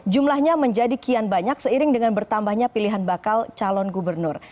jumlahnya menjadi kian banyak seiring dengan bertambahnya pilihan bakal calon gubernur